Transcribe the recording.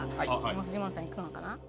フジモンさんいくのかな？